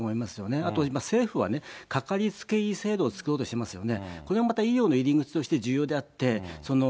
あと政府は、かかりつけ医制度を作ろうとしていますよね。